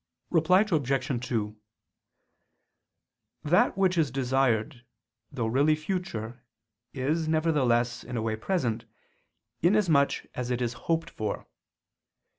Reply Obj. 2: That which is desired, though really future, is, nevertheless, in a way, present, inasmuch as it is hoped for.